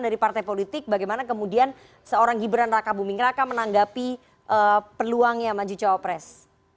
dari partai politik bagaimana kemudian seorang gibran raka bumingraka menanggapi peluangnya maju chawapres